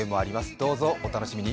どうぞお楽しみに。